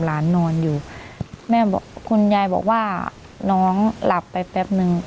นอนอยู่แม่บอกคุณยายบอกว่าน้องหลับไปแป๊บนึง